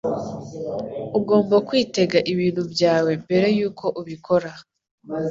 Ugomba kwitega ibintu byawe mbere yuko ubikora.”